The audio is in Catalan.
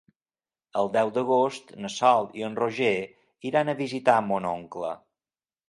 El deu d'agost na Sol i en Roger iran a visitar mon oncle.